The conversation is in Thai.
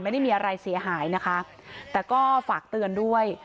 ไม่ได้มีอะไรเสียหายนะคะแต่ก็ฝากเตือนด้วย